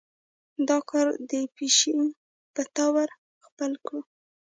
دا کار د پيشې پۀ طور خپل کړو